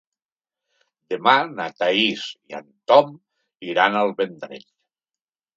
Demà na Thaís i en Tom iran al Vendrell.